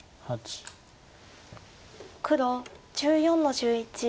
黒１４の十一。